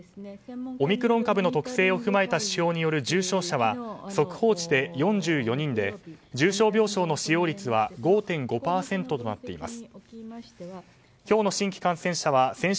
オミクロン株の特性を踏まえた指標による重症者は速報値で４４人で重症病床使用率は５．５％となっています。